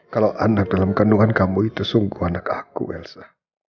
kalau anak dalam kandungan kamu itu sungguh anak aku elsa